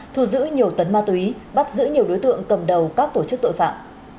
thu giữ nhiều tấn ma túy bắt giữ nhiều đối tượng cầm đầu các tổ chức tội phạm